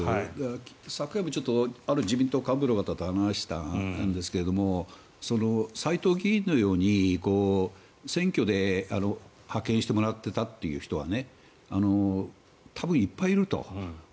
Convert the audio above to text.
昨夜もある自民党の幹部の方と話したんですが斎藤議員のように、選挙で派遣してもらっていたという人は多分いっぱいいると。